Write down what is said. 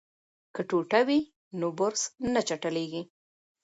که ټوټه وي نو برس نه چټلیږي.